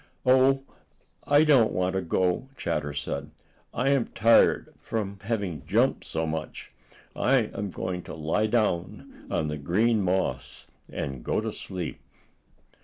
"Oh, I don't want to go," Chatter said. "I am tired from having jumped so much. I am going to lie down on the green moss, and go to sleep."